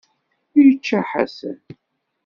Yečča Ḥasan?